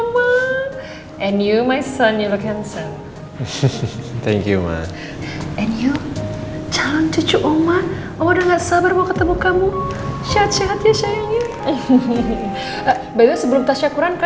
mbak andin kamu mau ke rumah